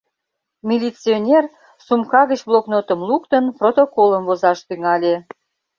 Милиционер, сумка гыч блокнотым луктын, протоколым возаш тӱҥале.